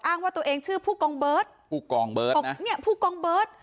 ว่าตัวเองชื่อผู้กองเบิร์ตผู้กองเบิร์ตเนี่ยผู้กองเบิร์ต